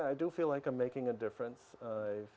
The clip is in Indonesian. jika kita menjaga kehidupan yang menarik